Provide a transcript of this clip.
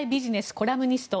コラムニスト